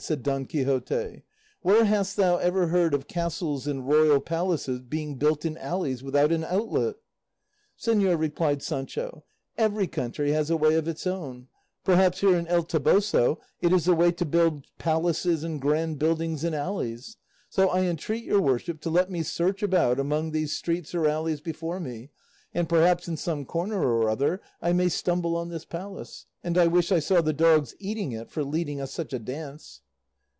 said Don Quixote; "where hast thou ever heard of castles and royal palaces being built in alleys without an outlet?" "Señor," replied Sancho, "every country has a way of its own; perhaps here in El Toboso it is the way to build palaces and grand buildings in alleys; so I entreat your worship to let me search about among these streets or alleys before me, and perhaps, in some corner or other, I may stumble on this palace and I wish I saw the dogs eating it for leading us such a dance."